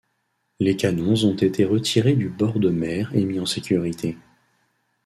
Les canons ont été retirés du bord de mer et mis en sécurité.